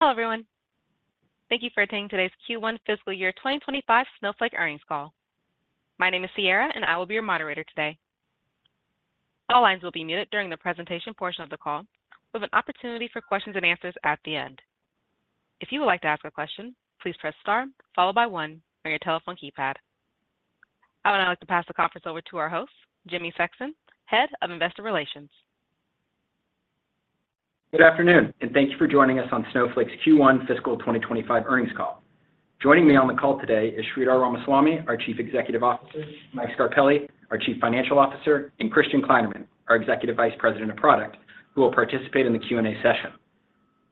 Hello, everyone. Thank you for attending today's Q1 fiscal year 2025 Snowflake earnings call. My name is Sierra, and I will be your moderator today. All lines will be muted during the presentation portion of the call, with an opportunity for questions and answers at the end. If you would like to ask a question, please press star followed by one on your telephone keypad. I would now like to pass the conference over to our host, Jimmy Sexton, Head of Investor Relations. Good afternoon, and thank you for joining us on Snowflake's Q1 fiscal 2025 earnings call. Joining me on the call today is Sridhar Ramaswamy, our Chief Executive Officer, Mike Scarpelli, our Chief Financial Officer, and Christian Kleinerman, our Executive Vice President of Product, who will participate in the Q&A session.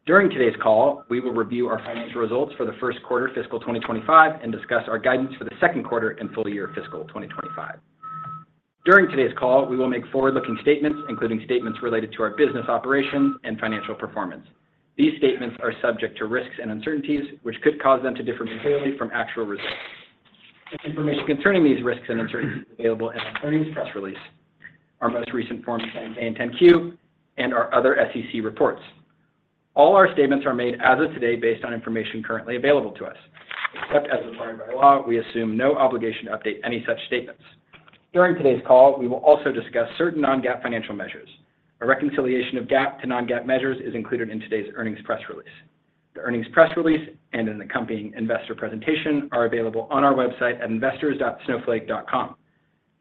During today's call, we will review our financial results for the first quarter fiscal 2025 and discuss our guidance for the second quarter and full year fiscal 2025. During today's call, we will make forward-looking statements, including statements related to our business operations and financial performance. These statements are subject to risks and uncertainties, which could cause them to differ materially from actual results. The information concerning these risks and uncertainties is available in our earnings press release, our most recent Form 10-K and 10-Q, and our other SEC reports. All our statements are made as of today based on information currently available to us. Except as required by law, we assume no obligation to update any such statements. During today's call, we will also discuss certain non-GAAP financial measures. A reconciliation of GAAP to non-GAAP measures is included in today's earnings press release. The earnings press release and an accompanying investor presentation are available on our website at investors.snowflake.com.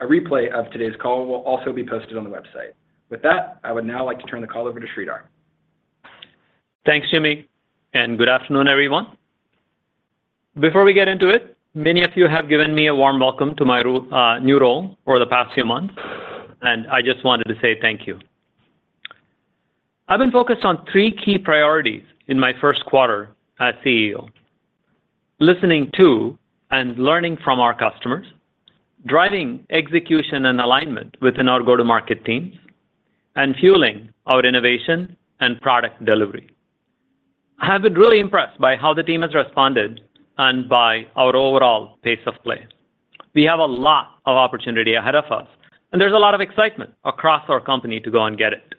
A replay of today's call will also be posted on the website. With that, I would now like to turn the call over to Sridhar. Thanks, Jimmy, and good afternoon, everyone. Before we get into it, many of you have given me a warm welcome to my new role over the past few months, and I just wanted to say thank you. I've been focused on three key priorities in my first quarter as CEO: listening to and learning from our customers, driving execution and alignment within our go-to-market teams, and fueling our innovation and product delivery. I have been really impressed by how the team has responded and by our overall pace of play. We have a lot of opportunity ahead of us, and there's a lot of excitement across our company to go and get it.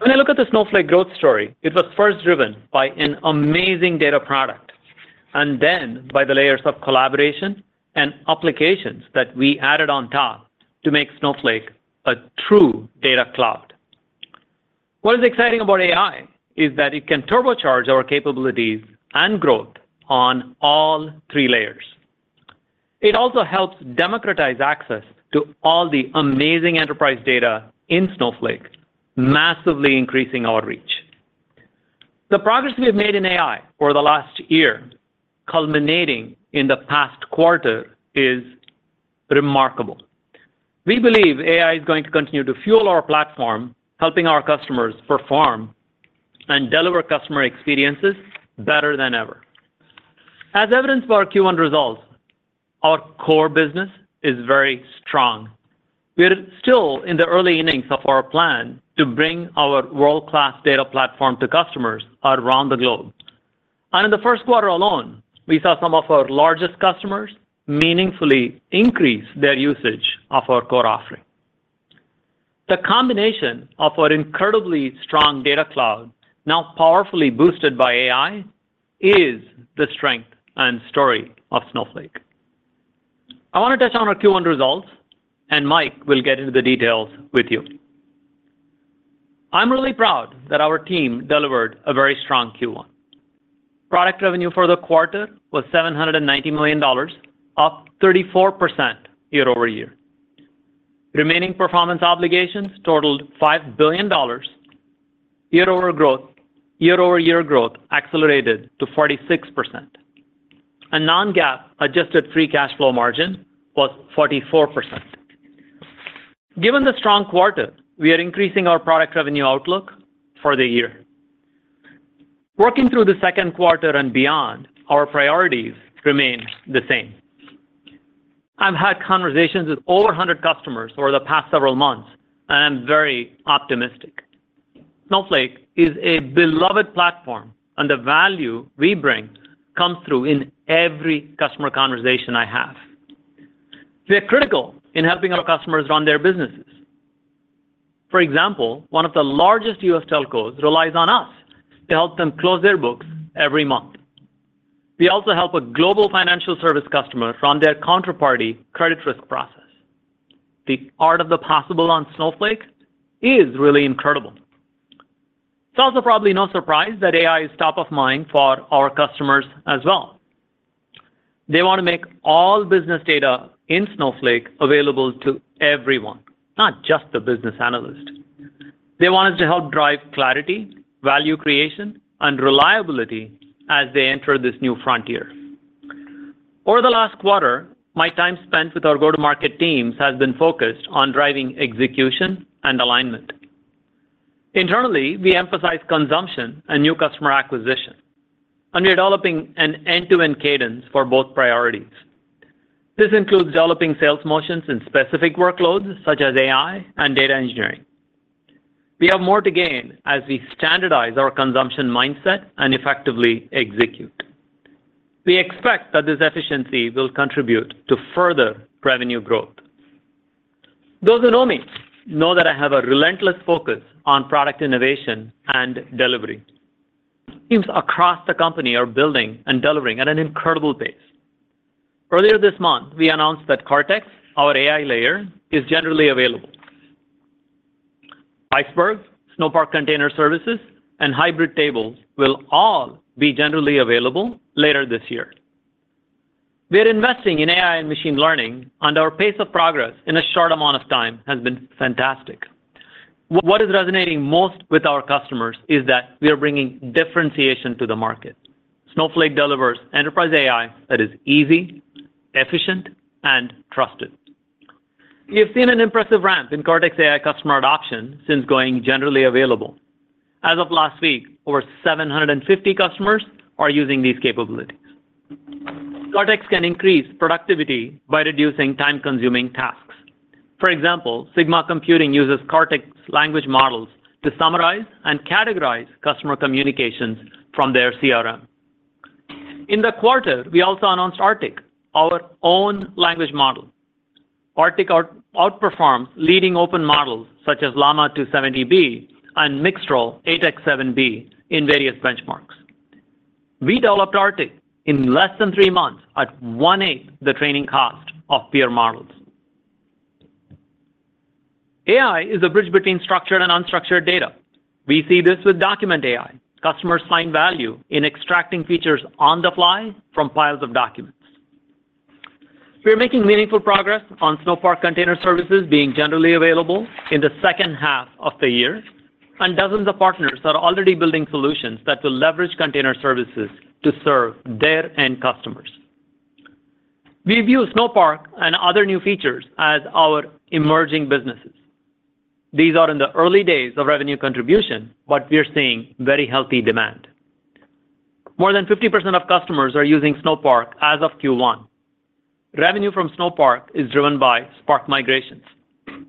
When I look at the Snowflake growth story, it was first driven by an amazing data product, and then by the layers of collaboration and applications that we added on top to make Snowflake a true data cloud. What is exciting about AI is that it can turbocharge our capabilities and growth on all three layers. It also helps democratize access to all the amazing enterprise data in Snowflake, massively increasing our reach. The progress we have made in AI over the last year, culminating in the past quarter, is remarkable. We believe AI is going to continue to fuel our platform, helping our customers perform and deliver customer experiences better than ever. As evidenced by our Q1 results, our core business is very strong. We are still in the early innings of our plan to bring our world-class data platform to customers around the globe. In the first quarter alone, we saw some of our largest customers meaningfully increase their usage of our core offering. The combination of our incredibly strong data cloud, now powerfully boosted by AI, is the strength and story of Snowflake. I want to touch on our Q1 results, and Mike will get into the details with you. I'm really proud that our team delivered a very strong Q1. Product revenue for the quarter was $790 million, up 34% year-over-year. Remaining performance obligations totaled $5 billion. Year-over-year growth accelerated to 46%. A non-GAAP adjusted free cash flow margin was 44%. Given the strong quarter, we are increasing our product revenue outlook for the year. Working through the second quarter and beyond, our priorities remain the same. I've had conversations with over 100 customers over the past several months, and I'm very optimistic. Snowflake is a beloved platform, and the value we bring comes through in every customer conversation I have. We are critical in helping our customers run their businesses. For example, one of the largest U.S. telcos relies on us to help them close their books every month. We also help a global financial service customer run their counterparty credit risk process. The art of the possible on Snowflake is really incredible. It's also probably no surprise that AI is top of mind for our customers as well. They want to make all business data in Snowflake available to everyone, not just the business analyst. They want us to help drive clarity, value creation, and reliability as they enter this new frontier. Over the last quarter, my time spent with our go-to-market teams has been focused on driving execution and alignment. Internally, we emphasize consumption and new customer acquisition, and we're developing an end-to-end cadence for both priorities. This includes developing sales motions in specific workloads, such as AI and data engineering. We have more to gain as we standardize our consumption mindset and effectively execute. We expect that this efficiency will contribute to further revenue growth. Those who know me know that I have a relentless focus on product innovation and delivery. Teams across the company are building and delivering at an incredible pace. Earlier this month, we announced that Cortex, our AI layer, is generally available. Iceberg, Snowpark Container Services, and Hybrid Tables will all be generally available later this year. We are investing in AI and machine learning, and our pace of progress in a short amount of time has been fantastic. What is resonating most with our customers is that we are bringing differentiation to the market. Snowflake delivers enterprise AI that is easy, efficient, and trusted. We have seen an impressive ramp in Cortex AI customer adoption since going generally available. As of last week, over 750 customers are using these capabilities. Cortex can increase productivity by reducing time-consuming tasks. For example, Sigma Computing uses Cortex language models to summarize and categorize customer communications from their CRM. In the quarter, we also announced Arctic, our own language model. Arctic outperforms leading open models, such as Llama 2 70B and Mixtral 8x7B, in various benchmarks. We developed Arctic in less than three months at one-eighth the training cost of peer models. AI is a bridge between structured and unstructured data. We see this with Document AI. Customers find value in extracting features on the fly from piles of documents. We are making meaningful progress on Snowpark Container Services being generally available in the second half of the year, and dozens of partners are already building solutions that will leverage container services to serve their end customers. We view Snowpark and other new features as our emerging businesses. These are in the early days of revenue contribution, but we are seeing very healthy demand. More than 50% of customers are using Snowpark as of Q1. Revenue from Snowpark is driven by Spark migrations.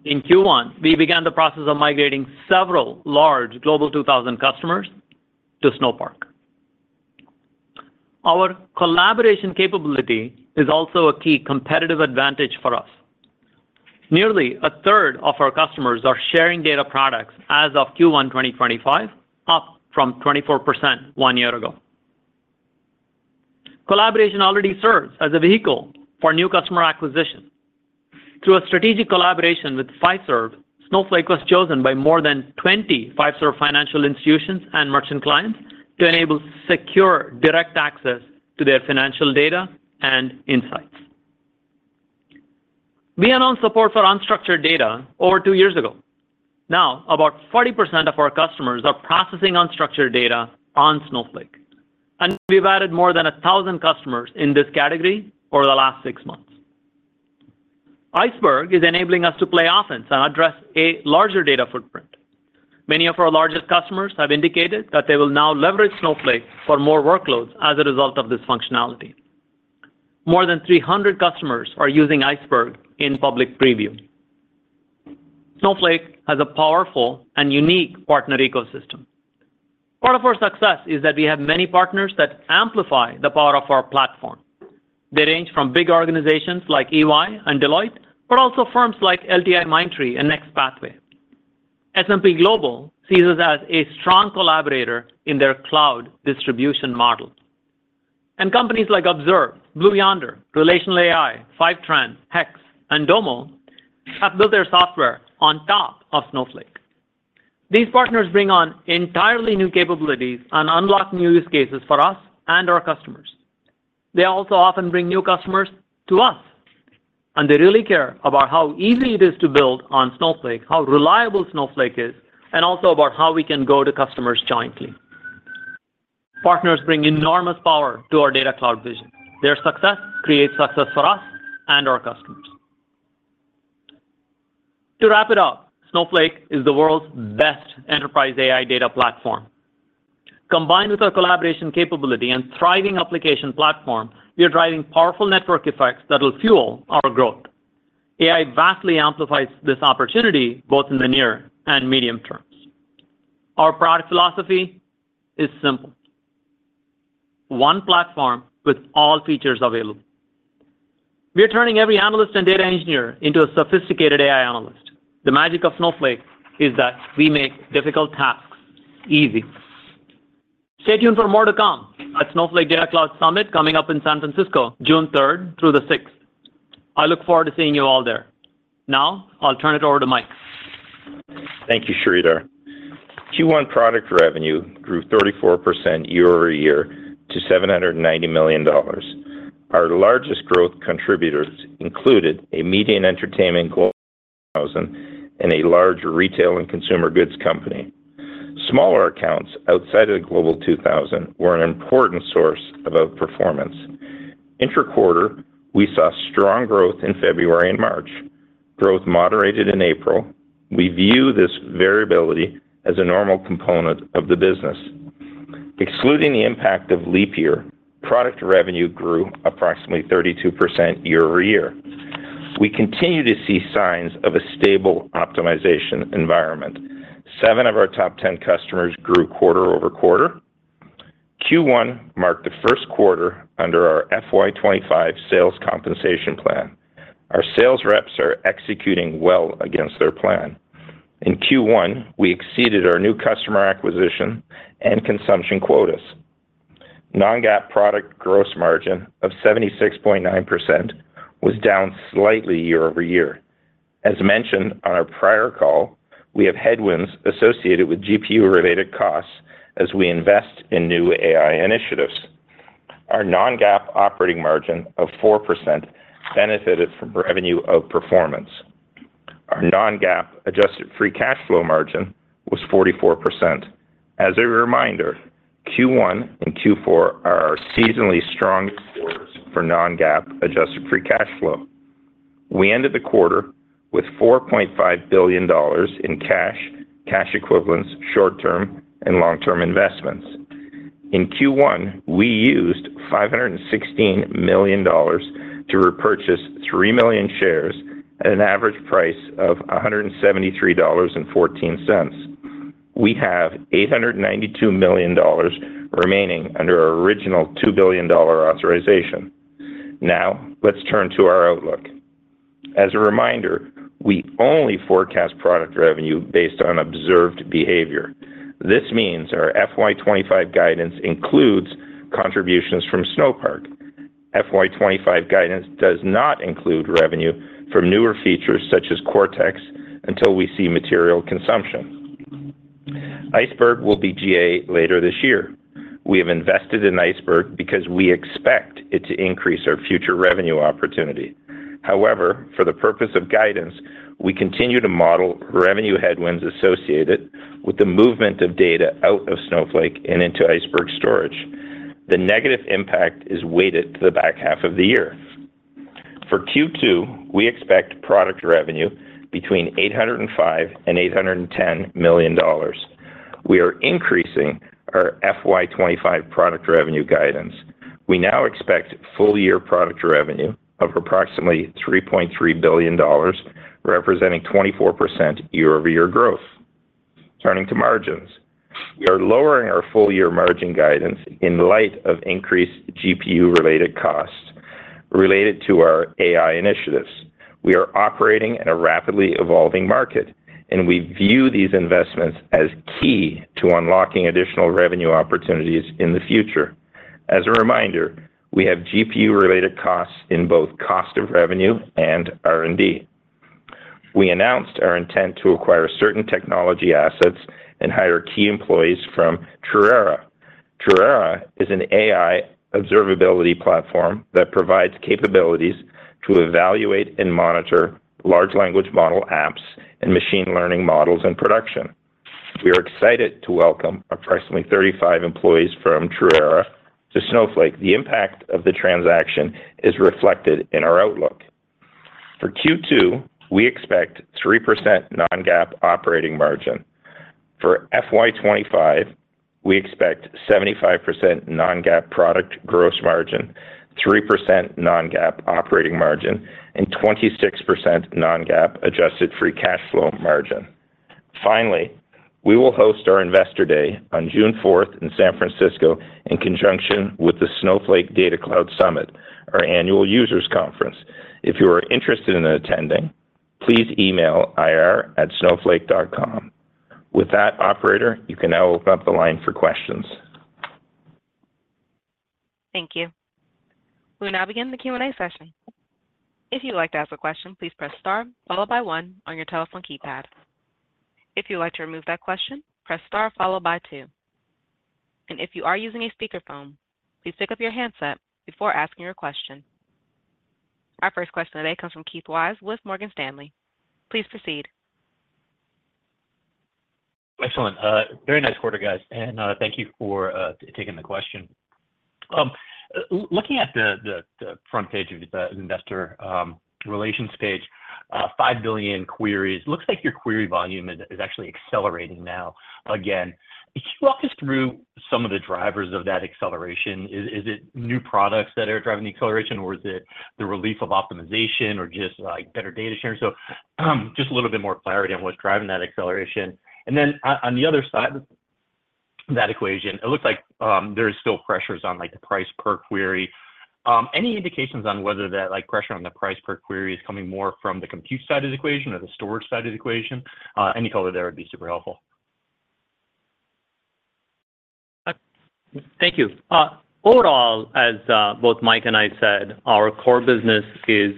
In Q1, we began the process of migrating several large Global 2000 customers to Snowpark. Our collaboration capability is also a key competitive advantage for us. Nearly a third of our customers are sharing data products as of Q1 2025, up from 24% one year ago. Collaboration already serves as a vehicle for new customer acquisition. Through a strategic collaboration with Fiserv, Snowflake was chosen by more than 20 Fiserv financial institutions and merchant clients to enable secure, direct access to their financial data and insights. We announced support for unstructured data over 2 years ago. Now, about 40% of our customers are processing unstructured data on Snowflake, and we've added more than 1,000 customers in this category over the last 6 months. Iceberg is enabling us to play offense and address a larger data footprint. Many of our largest customers have indicated that they will now leverage Snowflake for more workloads as a result of this functionality. More than 300 customers are using Iceberg in public preview. Snowflake has a powerful and unique partner ecosystem. Part of our success is that we have many partners that amplify the power of our platform. They range from big organizations like EY and Deloitte, but also firms like LTIMindtree and Next Pathway. S&P Global sees us as a strong collaborator in their cloud distribution model. And companies like Observe, Blue Yonder, RelationalAI, Fivetran, Hex, and Domo have built their software on top of Snowflake. These partners bring on entirely new capabilities and unlock new use cases for us and our customers. They also often bring new customers to us, and they really care about how easy it is to build on Snowflake, how reliable Snowflake is, and also about how we can go to customers jointly. Partners bring enormous power to our Data Cloud vision. Their success creates success for us and our customers. To wrap it up, Snowflake is the world's best enterprise AI data platform. Combined with our collaboration capability and thriving application platform, we are driving powerful network effects that will fuel our growth. AI vastly amplifies this opportunity, both in the near and medium terms. Our product philosophy is simple: one platform with all features available. We are turning every analyst and data engineer into a sophisticated AI analyst. The magic of Snowflake is that we make difficult tasks easy. Stay tuned for more to come at Snowflake Data Cloud Summit, coming up in San Francisco, June third through the sixth. I look forward to seeing you all there. Now, I'll turn it over to Mike. Thank you, Sridhar. Q1 product revenue grew 34% year-over-year to $790 million. Our largest growth contributors included a media and entertainment Global 2000 and a large retail and consumer goods company. Smaller accounts outside of the Global 2000 were an important source of outperformance. Intra-quarter, we saw strong growth in February and March. Growth moderated in April. We view this variability as a normal component of the business. Excluding the impact of leap year, product revenue grew approximately 32% year-over-year. We continue to see signs of a stable optimization environment. 7 of our top 10 customers grew quarter-over-quarter.... Q1 marked the first quarter under our FY 2025 sales compensation plan. Our sales reps are executing well against their plan. In Q1, we exceeded our new customer acquisition and consumption quotas. Non-GAAP product gross margin of 76.9% was down slightly year-over-year. As mentioned on our prior call, we have headwinds associated with GPU-related costs as we invest in new AI initiatives. Our non-GAAP operating margin of 4% benefited from revenue of performance. Our non-GAAP adjusted free cash flow margin was 44%. As a reminder, Q1 and Q4 are our seasonally strong quarters for non-GAAP adjusted free cash flow. We ended the quarter with $4.5 billion in cash, cash equivalents, short-term and long-term investments. In Q1, we used $516 million to repurchase 3 million shares at an average price of $173.14. We have $892 million remaining under our original $2 billion authorization. Now, let's turn to our outlook. As a reminder, we only forecast product revenue based on observed behavior. This means our FY 2025 guidance includes contributions from Snowpark. FY 2025 guidance does not include revenue from newer features such as Cortex, until we see material consumption. Iceberg will be GA later this year. We have invested in Iceberg because we expect it to increase our future revenue opportunity. However, for the purpose of guidance, we continue to model revenue headwinds associated with the movement of data out of Snowflake and into Iceberg storage. The negative impact is weighted to the back half of the year. For Q2, we expect product revenue between $805 million and $810 million. We are increasing our FY 2025 product revenue guidance. We now expect full year product revenue of approximately $3.3 billion, representing 24% year-over-year growth. Turning to margins, we are lowering our full year margin guidance in light of increased GPU-related costs related to our AI initiatives. We are operating in a rapidly evolving market, and we view these investments as key to unlocking additional revenue opportunities in the future. As a reminder, we have GPU-related costs in both cost of revenue and R&D. We announced our intent to acquire certain technology assets and hire key employees from Truera. Truera is an AI observability platform that provides capabilities to evaluate and monitor large language model apps and machine learning models in production. We are excited to welcome approximately 35 employees from Truera to Snowflake. The impact of the transaction is reflected in our outlook. For Q2, we expect 3% non-GAAP operating margin. For FY 25, we expect 75% non-GAAP product gross margin, 3% non-GAAP operating margin, and 26% non-GAAP adjusted free cash flow margin. Finally, we will host our Investor Day on June 4 in San Francisco, in conjunction with the Snowflake Data Cloud Summit, our annual users conference. If you are interested in attending, please email ir@snowflake.com. With that, operator, you can now open up the line for questions. Thank you. We'll now begin the Q&A session. If you'd like to ask a question, please press star followed by one on your telephone keypad. If you'd like to remove that question, press star followed by two. If you are using a speakerphone, please pick up your handset before asking your question. Our first question today comes from Keith Weiss with Morgan Stanley. Please proceed. Excellent. Very nice quarter, guys, and, thank you for taking the question. Looking at the front page of the investor relations page, 5 billion queries. Looks like your query volume is actually accelerating now again. Can you walk us through some of the drivers of that acceleration? Is it new products that are driving the acceleration, or is it the relief of optimization or just, like, better data sharing? So, just a little bit more clarity on what's driving that acceleration. And then on the other side of that equation, it looks like there's still pressures on, like, the price per query. Any indications on whether that, like, pressure on the price per query is coming more from the compute side of the equation or the storage side of the equation? Any color there would be super helpful. Thank you. Overall, as both Mike and I said, our core business is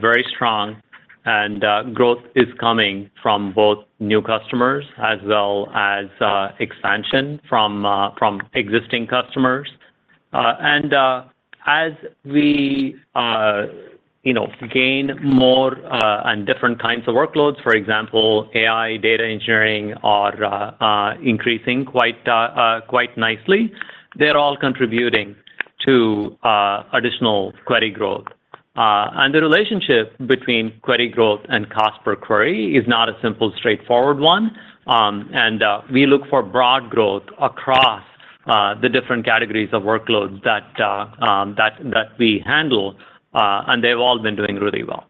very strong, and growth is coming from both new customers as well as expansion from existing customers. And as we, you know, gain more and different kinds of workloads, for example, AI, data engineering are quite nicely, they're all contributing to additional query growth. And the relationship between query growth and cost per query is not a simple, straightforward one, and we look for broad growth across the different categories of workloads that we handle, and they've all been doing really well.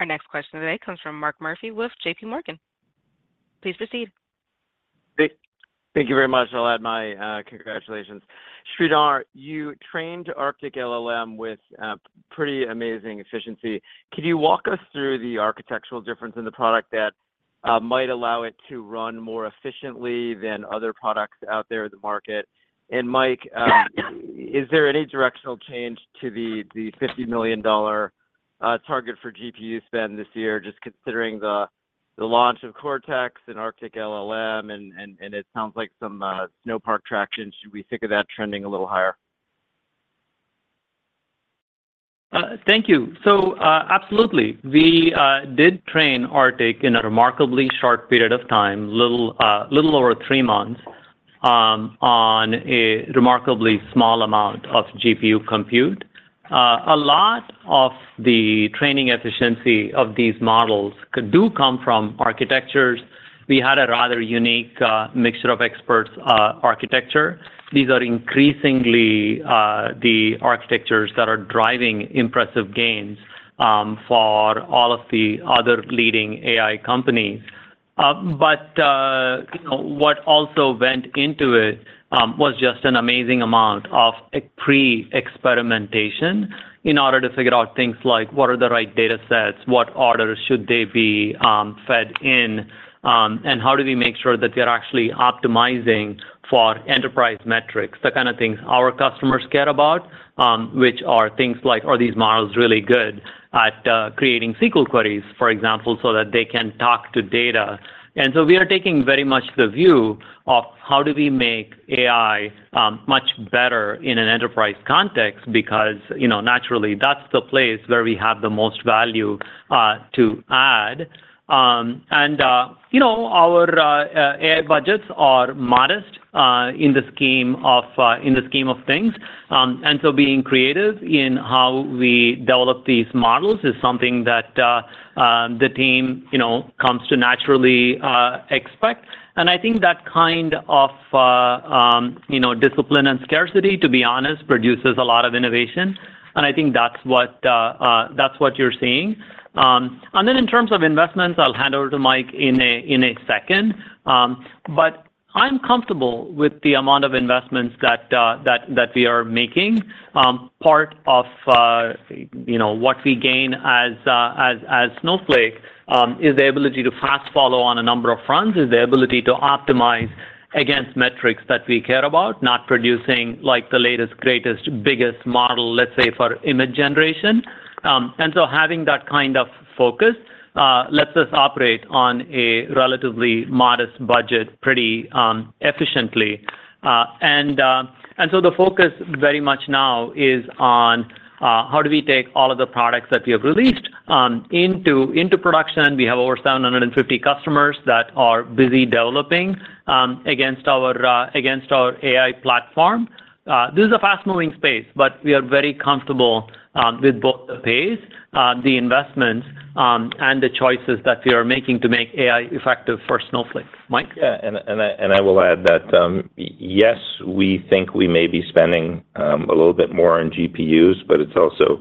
Our next question today comes from Mark Murphy with JPMorgan. Please proceed. Thank you very much. I'll add my congratulations. Sridhar, you trained Arctic LLM with pretty amazing efficiency. Can you walk us through the architectural difference in the product that might allow it to run more efficiently than other products out there in the market? And Mike, is there any directional change to the $50 million target for GPU spend this year, just considering the launch of Cortex and Arctic LLM, and it sounds like some Snowpark traction. Should we think of that trending a little higher? Thank you. So, absolutely. We did train Arctic in a remarkably short period of time, a little over three months, on a remarkably small amount of GPU compute. A lot of the training efficiency of these models could come from architectures. We had a rather unique mixture of experts architecture. These are increasingly the architectures that are driving impressive gains for all of the other leading AI companies. But, you know, what also went into it was just an amazing amount of pre-experimentation in order to figure out things like what are the right datasets, what order should they be fed in, and how do we make sure that we are actually optimizing for enterprise metrics, the kind of things our customers care about, which are things like, are these models really good at creating SQL queries, for example, so that they can talk to data? And so we are taking very much the view of how do we make AI much better in an enterprise context, because, you know, naturally, that's the place where we have the most value to add. And, you know, our AI budgets are modest in the scheme of, in the scheme of things. And so being creative in how we develop these models is something that, the team, you know, comes to naturally, expect. And I think that kind of, you know, discipline and scarcity, to be honest, produces a lot of innovation, and I think that's what, that's what you're seeing. And then in terms of investments, I'll hand over to Mike in a second. But I'm comfortable with the amount of investments that we are making. Part of, you know, what we gain as Snowflake is the ability to fast follow on a number of fronts, is the ability to optimize against metrics that we care about, not producing, like, the latest, greatest, biggest model, let's say, for image generation. And so having that kind of focus lets us operate on a relatively modest budget pretty efficiently. So the focus very much now is on how do we take all of the products that we have released into production. We have over 750 customers that are busy developing against our AI platform. This is a fast-moving space, but we are very comfortable with both the pace, the investments, and the choices that we are making to make AI effective for Snowflake. Mike? Yeah, and I will add that, yes, we think we may be spending a little bit more on GPUs, but it's also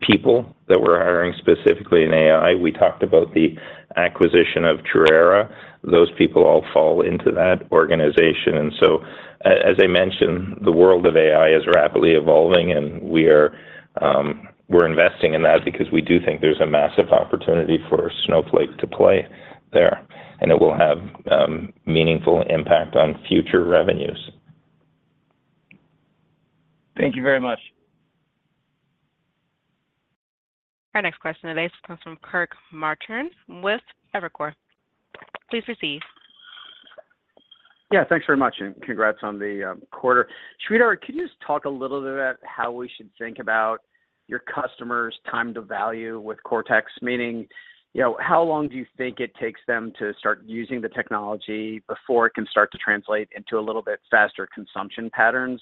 people that we're hiring specifically in AI. We talked about the acquisition of Truera. Those people all fall into that organization. And so as I mentioned, the world of AI is rapidly evolving, and we are, we're investing in that because we do think there's a massive opportunity for Snowflake to play there, and it will have meaningful impact on future revenues. Thank you very much. Our next question today comes from Kirk Materne with Evercore ISI. Please proceed. Yeah, thanks very much, and congrats on the quarter. Sridhar, can you just talk a little bit about how we should think about your customers' time to value with Cortex? Meaning, you know, how long do you think it takes them to start using the technology before it can start to translate into a little bit faster consumption patterns?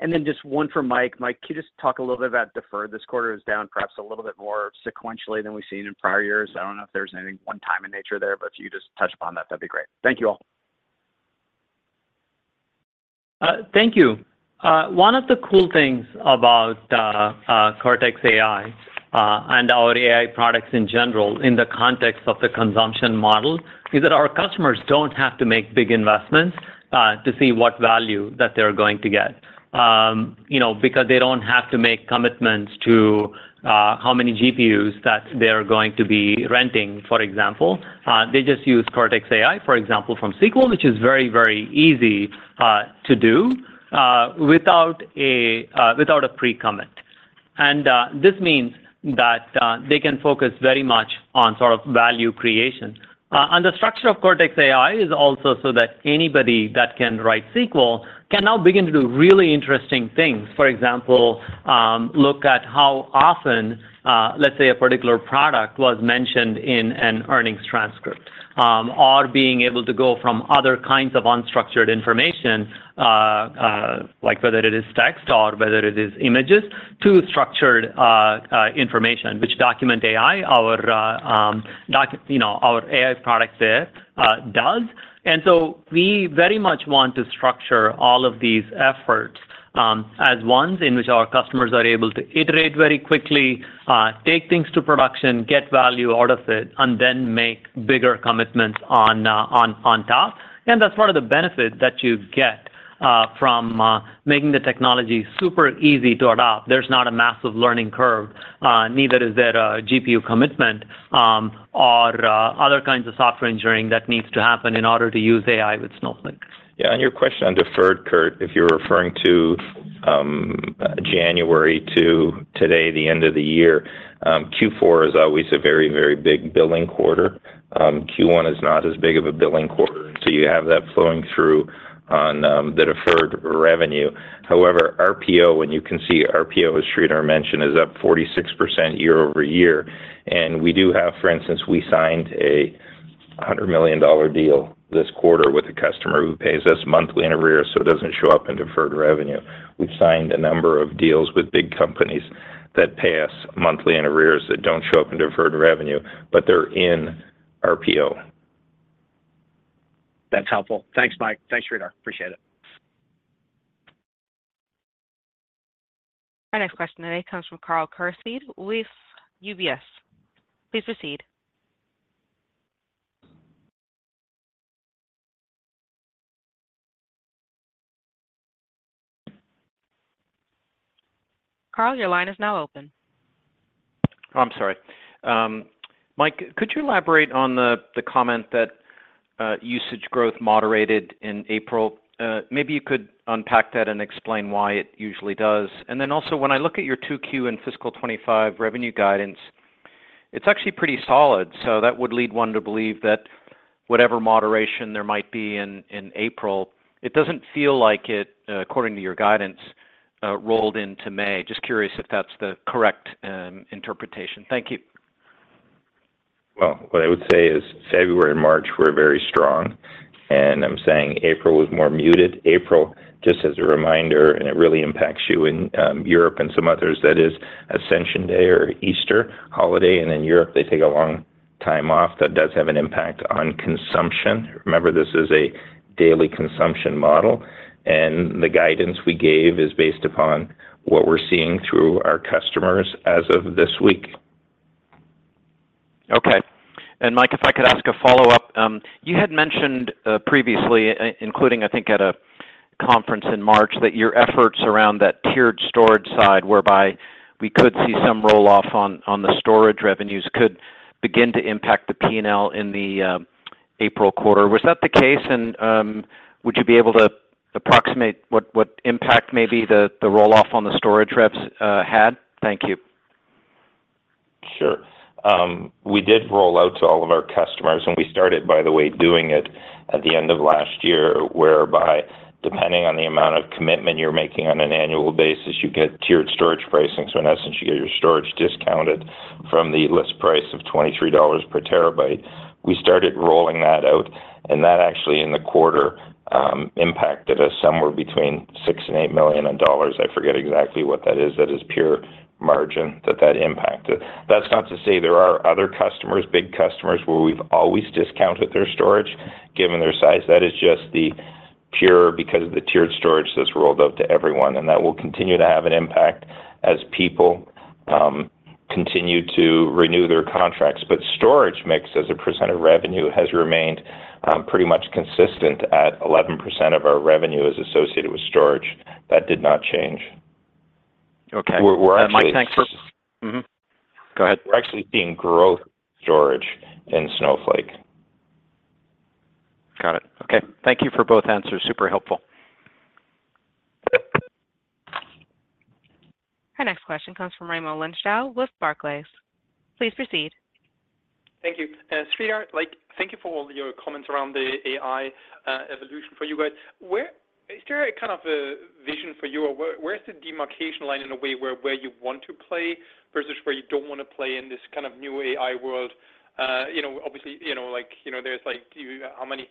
And then just one for Mike. Mike, can you just talk a little bit about Deferred? This quarter is down perhaps a little bit more sequentially than we've seen in prior years. I don't know if there's anything one time in nature there, but if you just touch upon that, that'd be great. Thank you all. Thank you. One of the cool things about Cortex AI and our AI products in general, in the context of the consumption model, is that our customers don't have to make big investments to see what value that they're going to get. You know, because they don't have to make commitments to how many GPUs that they're going to be renting, for example. They just use Cortex AI, for example, from SQL, which is very, very easy to do without a pre-commit. And this means that they can focus very much on sort of value creation. And the structure of Cortex AI is also so that anybody that can write SQL can now begin to do really interesting things. For example, look at how often, let's say, a particular product was mentioned in an earnings transcript. Or being able to go from other kinds of unstructured information, like whether it is text or whether it is images, to structured information, which Document AI, our, you know, our AI products there-... does. And so we very much want to structure all of these efforts as ones in which our customers are able to iterate very quickly, take things to production, get value out of it, and then make bigger commitments on top. And that's one of the benefits that you get from making the technology super easy to adopt. There's not a massive learning curve, neither is there a GPU commitment, or other kinds of software engineering that needs to happen in order to use AI with Snowflake. Yeah, and your question on deferred, Kirk, if you're referring to, January to today, the end of the year, Q4 is always a very, very big billing quarter. Q1 is not as big of a billing quarter, so you have that flowing through on, the deferred revenue. However, RPO, and you can see RPO, as Sridhar mentioned, is up 46% year-over-year. And we do have, for instance, we signed a $100 million deal this quarter with a customer who pays us monthly in arrears, so it doesn't show up in deferred revenue. We've signed a number of deals with big companies that pay us monthly in arrears that don't show up in deferred revenue, but they're in RPO. That's helpful. Thanks, Mike. Thanks, Sridhar. Appreciate it. Our next question today comes from Karl Keirstead with UBS. Please proceed. Karl, your line is now open. I'm sorry. Mike, could you elaborate on the comment that usage growth moderated in April? Maybe you could unpack that and explain why it usually does. And then also, when I look at your 2Q and fiscal 2025 revenue guidance, it's actually pretty solid. So that would lead one to believe that whatever moderation there might be in April, it doesn't feel like it, according to your guidance, rolled into May. Just curious if that's the correct interpretation. Thank you. Well, what I would say is February and March were very strong, and I'm saying April was more muted. April, just as a reminder, and it really impacts you in Europe and some others, that is Ascension Day or Easter holiday. And in Europe, they take a long time off. That does have an impact on consumption. Remember, this is a daily consumption model, and the guidance we gave is based upon what we're seeing through our customers as of this week. Okay. And Mike, if I could ask a follow-up. You had mentioned previously, including, I think, at a conference in March, that your efforts around that tiered storage side, whereby we could see some roll-off on the storage revenues, could begin to impact the P&L in the April quarter. Was that the case? And would you be able to approximate what impact maybe the roll-off on the storage revs had? Thank you. Sure. We did roll out to all of our customers, and we started, by the way, doing it at the end of last year, whereby depending on the amount of commitment you're making on an annual basis, you get tiered storage pricing. So in essence, you get your storage discounted from the list price of $23 per terabyte. We started rolling that out, and that actually, in the quarter, impacted us somewhere between $6 million-$8 million. I forget exactly what that is. That is pure margin that, that impacted. That's not to say there are other customers, big customers, where we've always discounted their storage, given their size. That is just the pure, because of the tiered storage that's rolled out to everyone, and that will continue to have an impact as people continue to renew their contracts. Storage mix, as a percent of revenue, has remained pretty much consistent at 11% of our revenue is associated with storage. That did not change. Okay. We're actually- Mike, thanks for... Mm-hmm. Go ahead. We're actually seeing growth in storage in Snowflake. Got it. Okay. Thank you for both answers. Super helpful. Our next question comes from Raimo Lenschow with Barclays. Please proceed. Thank you. Sridhar, like, thank you for all your comments around the AI evolution for you guys. Where is there a kind of a vision for you, or where, where is the demarcation line in a way, where, where you want to play versus where you don't want to play in this kind of new AI world? You know, obviously, you know, like, you know, there's, like, you. How many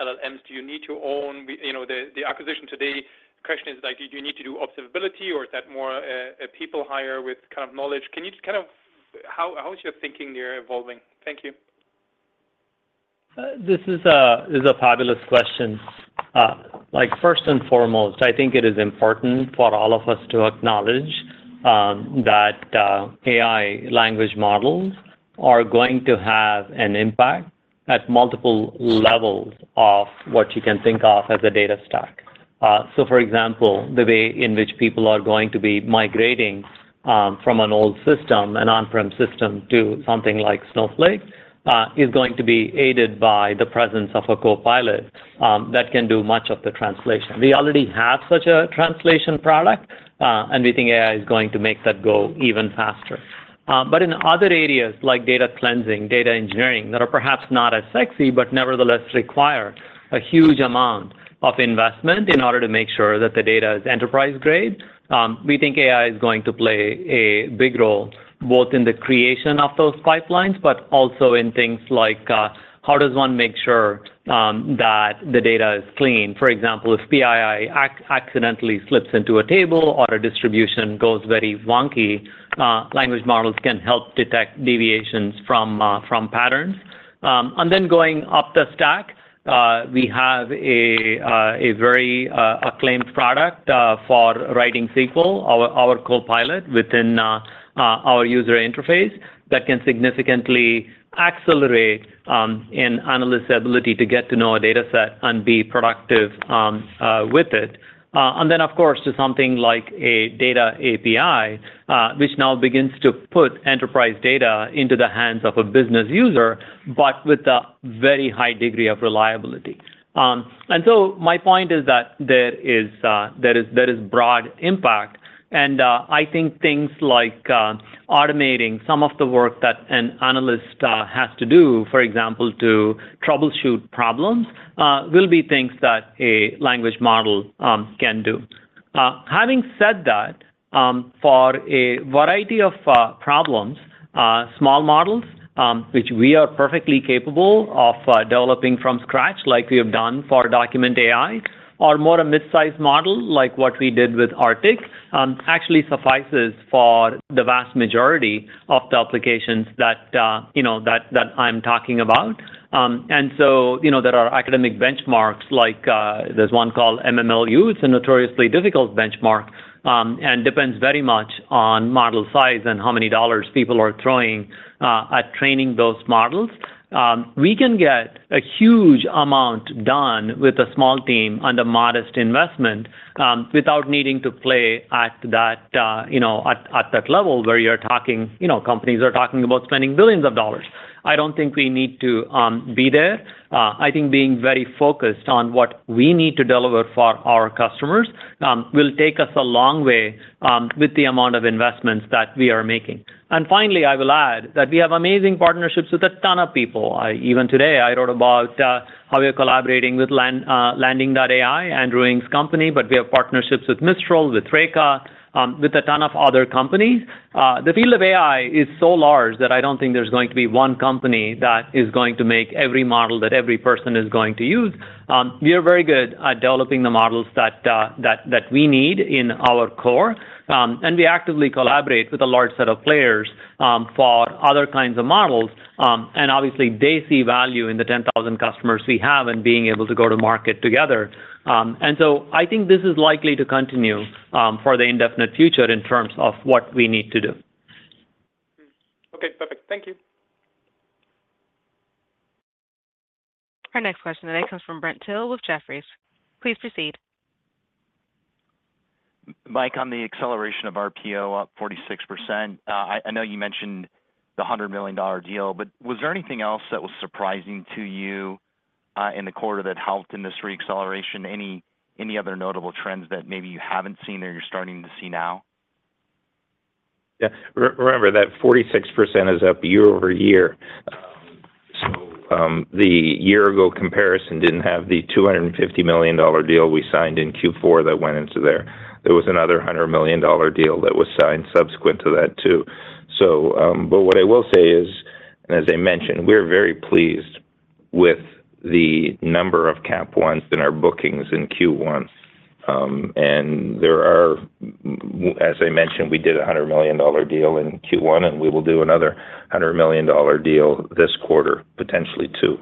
LLMs do you need to own? You know, the acquisition today, the question is, like, do you need to do observability, or is that more a people hire with kind of knowledge? Can you just kind of how is your thinking there evolving? Thank you. This is a fabulous question. Like, first and foremost, I think it is important for all of us to acknowledge that AI language models are going to have an impact at multiple levels of what you can think of as a data stack. So for example, the way in which people are going to be migrating from an old system, an on-prem system, to something like Snowflake is going to be aided by the presence of a Copilot that can do much of the translation. We already have such a translation product, and we think AI is going to make that go even faster. But in other areas, like data cleansing, data engineering, that are perhaps not as sexy, but nevertheless require a huge amount of investment in order to make sure that the data is enterprise-grade, we think AI is going to play a big role, both in the creation of those pipelines, but also in things like, how does one make sure, that the data is clean? For example, if PII accidentally slips into a table or a distribution goes very wonky, language models can help detect deviations from, from patterns. And then going up the stack, we have a, a very, acclaimed product, for writing SQL, our, our Copilot within, our user interface, that can significantly accelerate, an analyst's ability to get to know a data set and be productive, with it. And then, of course, to something like a data API, which now begins to put enterprise data into the hands of a business user, but with a very high degree of reliability. And so my point is that there is broad impact, and I think things like automating some of the work that an analyst has to do, for example, to troubleshoot problems, will be things that a language model can do. Having said that, for a variety of problems, small models, which we are perfectly capable of developing from scratch, like we have done for Document AI, or more a mid-sized model, like what we did with Arctic, actually suffices for the vast majority of the applications that you know that I'm talking about. And so, you know, there are academic benchmarks, like, there's one called MMLU. It's a notoriously difficult benchmark, and depends very much on model size and how many dollars people are throwing at training those models. We can get a huge amount done with a small team and a modest investment, without needing to play at that, you know, at that level, where you're talking... You know, companies are talking about spending billions of dollars. I don't think we need to be there. I think being very focused on what we need to deliver for our customers will take us a long way, with the amount of investments that we are making. And finally, I will add that we have amazing partnerships with a ton of people. Even today, I wrote about how we are collaborating with LandingAI, Andrew Ng's company, but we have partnerships with Mistral, with Reka, with a ton of other companies. The field of AI is so large that I don't think there's going to be one company that is going to make every model that every person is going to use. We are very good at developing the models that we need in our core and we actively collaborate with a large set of players for other kinds of models. And obviously, they see value in the 10,000 customers we have and being able to go to market together. And so I think this is likely to continue for the indefinite future in terms of what we need to do. Hmm. Okay, perfect. Thank you. Our next question today comes from Brent Thill with Jefferies. Please proceed. Mike, on the acceleration of RPO, up 46%, I know you mentioned the $100 million deal, but was there anything else that was surprising to you, in the quarter that helped in this re-acceleration? Any other notable trends that maybe you haven't seen or you're starting to see now? Yeah. Remember that 46% is up year-over-year. The year-ago comparison didn't have the $250 million deal we signed in Q4 that went into there. There was another $100 million deal that was signed subsequent to that, too. So, but what I will say is, and as I mentioned, we're very pleased with the number of Cap Ones in our bookings in Q1. And as I mentioned, we did a $100 million deal in Q1, and we will do another $100 million deal this quarter, potentially, too.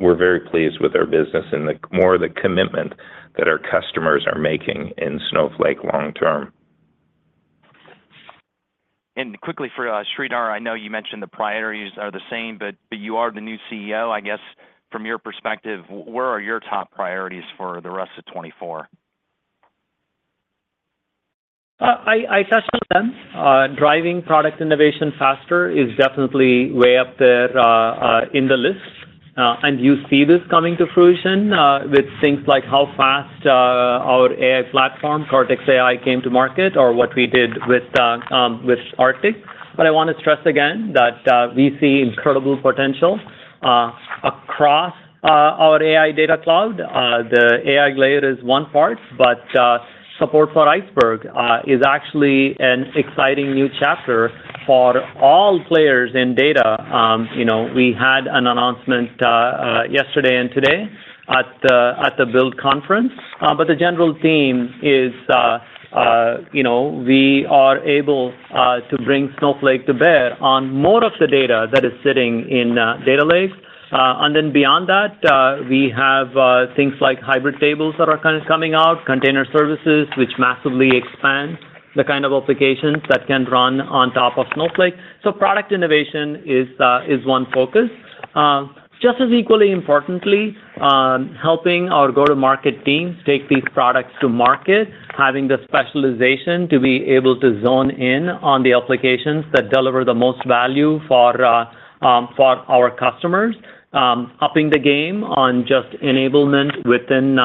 We're very pleased with our business and the more the commitment that our customers are making in Snowflake long term. Quickly for Sridhar, I know you mentioned the priorities are the same, but you are the new CEO. I guess from your perspective, where are your top priorities for the rest of 2024? I touched on them. Driving product innovation faster is definitely way up there in the list. And you see this coming to fruition with things like how fast our AI platform, Cortex AI, came to market or what we did with Arctic. But I want to stress again that we see incredible potential across our AI Data Cloud. The AI layer is one part, but support for Iceberg is actually an exciting new chapter for all players in data. You know, we had an announcement yesterday and today at the Build Conference. But the general theme is, you know, we are able to bring Snowflake to bear on more of the data that is sitting in data lakes. And then beyond that, we have things like Hybrid Tables that are kind of coming out, Container Services, which massively expands the kind of applications that can run on top of Snowflake. So product innovation is one focus. Just as equally importantly, helping our go-to-market teams take these products to market, having the specialization to be able to zone in on the applications that deliver the most value for our customers. Upping the game on just enablement within,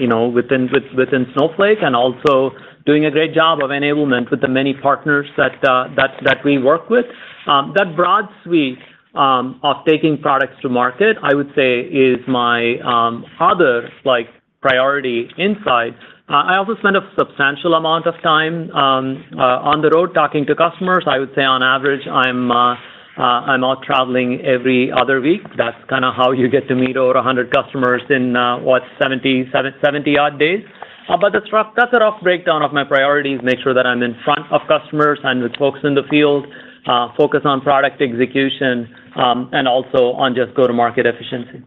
you know, within Snowflake, and also doing a great job of enablement with the many partners that we work with. That broad suite of taking products to market, I would say, is my other, like, priority insight. I also spend a substantial amount of time on the road talking to customers. I would say on average, I'm I'm out traveling every other week. That's kind of how you get to meet over 100 customers in what, 77-odd days. But that's rough, that's a rough breakdown of my priorities, make sure that I'm in front of customers and with folks in the field, focus on product execution, and also on just go-to-market efficiency....